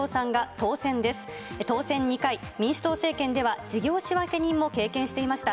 当選２回、民主党政権では、事業仕分け人も経験していました。